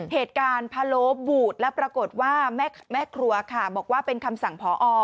เหตุการณ์พะโล้บูดแล้วปรากฏว่าแม่ครัวค่ะบอกว่าเป็นคำสั่งพอ